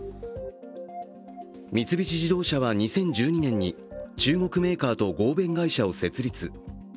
三菱自動車は２０１２年に中国メーカーと合弁会社を設立。